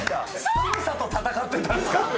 寒さと闘ってたんすか？